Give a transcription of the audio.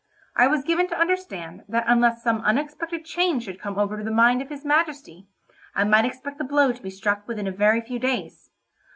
I was given to understand that unless some unexpected change should come over the mind of his Majesty, I might expect the blow to be struck within a very few days.